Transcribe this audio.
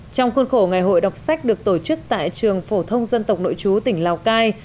trong khuôn khổ ngày hội đọc sách được tổ chức tại trường phổ thông dân tộc nội chú tỉnh lào cai